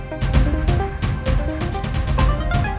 aku mau ke sana